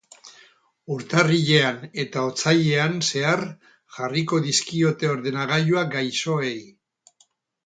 Urtarrilean eta otsailean zehar jarriko dizkiote ordenagailuak gaixoei.